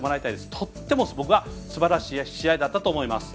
とっても僕はすばらしい試合だったと思います。